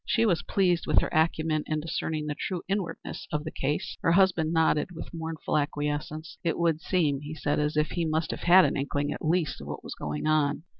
She was pleased with her acumen in discerning the true inwardness of the case. Her husband nodded with mournful acquiescence. "It would seem," he said, "as if he must have had an inkling, at least, of what was going on."